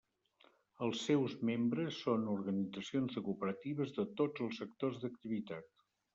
Els seus membres són organitzacions de cooperatives de tots els sectors d'activitat.